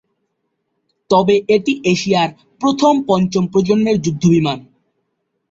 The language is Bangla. তবে এটি এশিয়ার প্রথম পঞ্চম প্রজন্মের যুদ্ধ বিমান।